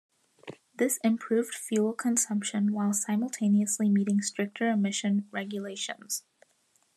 This improved fuel consumption while simultaneously meeting stricter emission regulations.